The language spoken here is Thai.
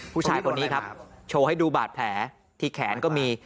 ผู้ชายคนนี้ครับโชว์ให้ดูบาดแผลที่แขนก็มี